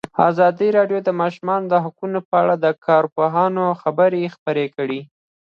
ازادي راډیو د د ماشومانو حقونه په اړه د کارپوهانو خبرې خپرې کړي.